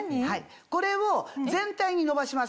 これを全体にのばします。